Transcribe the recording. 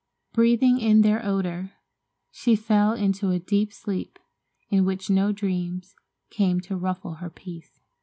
Breathing in their odor, she fell into a deep sleep, in which no dreams came to ruffle her peace.